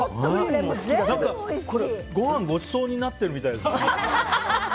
ごはんごちそうになってるみたいです。